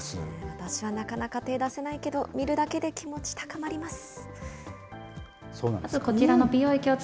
私はなかなか手を出せないけど、見るだけで気持ち高まります。